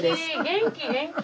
元気元気。